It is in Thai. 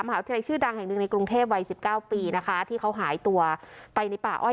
วิทยาลัยชื่อดังแห่งหนึ่งในกรุงเทพวัยสิบเก้าปีนะคะที่เขาหายตัวไปในป่าอ้อย